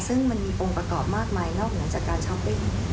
ซึ่งมันมีปรวงประกอบมากมายนอกเหมือนกับการช้าวปปิ้ง